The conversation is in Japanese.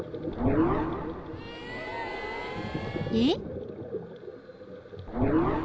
［えっ？］